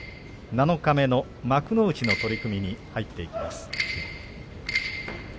七日目の幕内の取組に入っていきます。